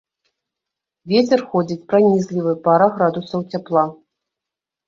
Вецер ходзіць пранізлівы, пара градусаў цяпла.